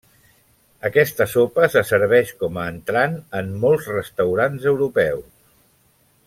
Aquesta sopa se serveix com a entrant en molts restaurants europeus.